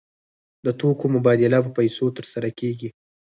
د توکو مبادله په پیسو ترسره کیږي.